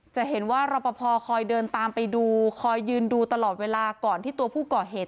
จะเห็นว่ารอปภคอยเดินตามไปดูคอยยืนดูตลอดเวลาก่อนที่ตัวผู้ก่อเหตุ